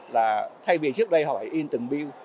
là thay vì trước đây họ phải in từng bill